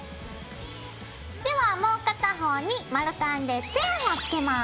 ではもう片方に丸カンでチェーンをつけます。